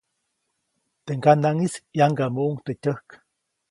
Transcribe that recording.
Teʼ ŋganaʼŋis ʼyaŋgamuʼuŋ teʼ tyäjk.